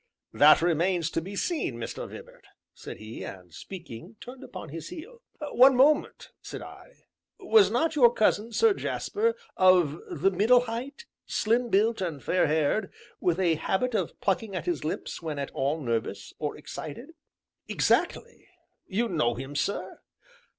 "That remains to be seen, Mr. Vibart," said he, and speaking, turned upon his heel. "One moment," said I, "was not your cousin, Sir Jasper, of the middle height, slim built and fair haired, with a habit of plucking at his lips when at all nervous or excited?" "Exactly; you know him, sir?"